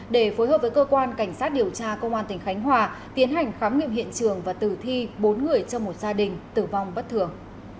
để phối hợp với cơ quan cảnh sát điều tra công an tỉnh khánh hòa tiến hành khám nghiệm hiện trường và tử thi bốn người trong một gia đình tử vong bất thường